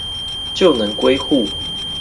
就能歸戶